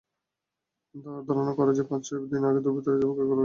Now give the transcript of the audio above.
ধারণা করা হচ্ছে, পাঁচ-ছয় দিন আগে দুর্বৃত্তরা যুবককে গলা কেটে হত্যা করে।